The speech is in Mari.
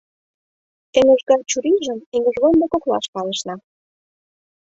Эҥыж гай чурийжым эҥыжвондо коклаш палышна.